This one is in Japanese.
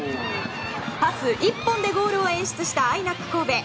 パス１本でゴールを演出したＩＮＡＣ神戸。